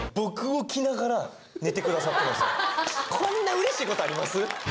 こんなうれしいことあります？